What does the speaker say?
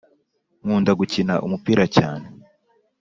nkunda gukina umupira cyane